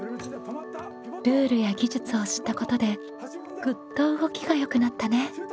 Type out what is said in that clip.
ルールや技術を知ったことでグッと動きがよくなったね。